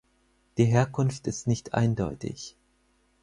Die Herkunft ist nicht eindeutig.